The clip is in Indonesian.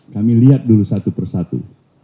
kami lihat dulu satu persatu